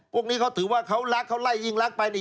พวกนี้เขาถือว่าเขารักเขาไล่ยิ่งรักไปนี่